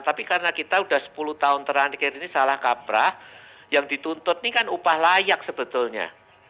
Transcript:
tapi karena kita sudah sepuluh tahun terakhir ini salah kaprah yang dituntut ini kan upah layak sebetulnya